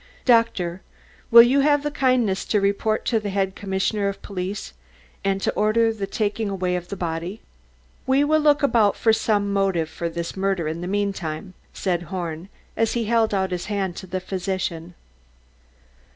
"Doctor, will you have the kindness to report to the head Commissioner of Police, and to order the taking away of the body? We will look about for some motive for this murder in the meantime," said Horn, as he held out his hand to the physician.